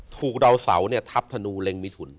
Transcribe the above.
ถูกดาวเสาเนี่ยทับธนูเล็งมิถุน